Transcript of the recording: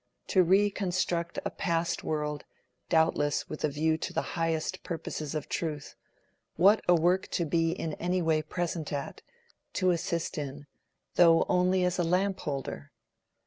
To reconstruct a past world, doubtless with a view to the highest purposes of truth—what a work to be in any way present at, to assist in, though only as a lamp holder!